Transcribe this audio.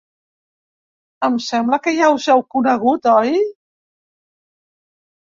Em sembla que ja us heu conegut, oi?